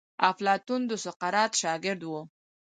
افلاطون د سقراط شاګرد وو.